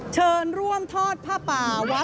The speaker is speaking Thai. เชิญร่วมทอดผ้าป่าวัด